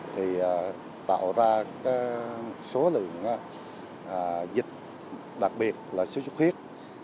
thì tạo ra số lượng dịch đặc biệt là sốt xuất huyết